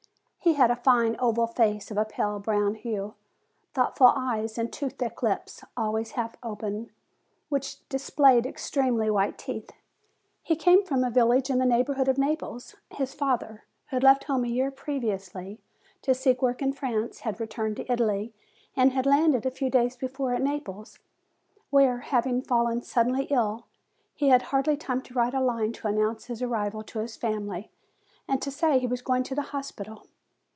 He had a fine, oval face, of a pale brown hue, thoughtful eyes, and two thick lips, always half open, which displayed extremely white teeth. He came from a village in the neighborhood of Naples. His father, who had left home a year previously to 1 32 FEBRUARY seek work in France, had returned to Italy, and had landed a few days before at Naples, where, having fallen suddenly ill, he had hardly time to write a line to announce his arrival to his family, and to say that he was going to the hospital.